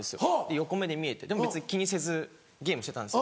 横目で見えてでも別に気にせずゲームしてたんです。